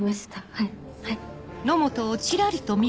はいはい。